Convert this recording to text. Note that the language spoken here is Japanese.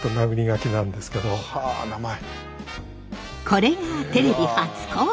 これがテレビ初公開！